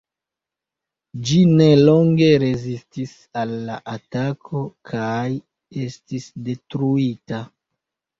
Ĝi nelonge rezistis al la atako kaj estis detruita.